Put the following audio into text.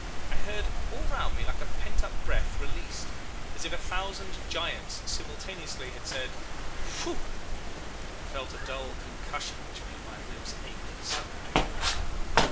I heard all round me like a pent up breath released as if a thousand giants simultaneously had said Phoo! and felt a dull concussion which made my ribs ache suddenly.